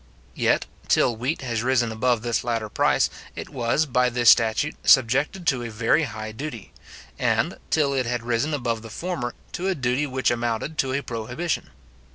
Yet, till wheat has risen above this latter price, it was, by this statute, subjected to a very high duty; and, till it had risen above the former, to a duty which amounted to a prohibition.